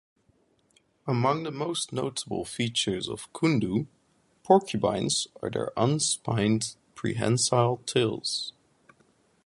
Among the most notable features of "Coendou" porcupines are their unspined prehensile tails.